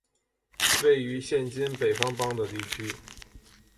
位于现今北方邦的地区。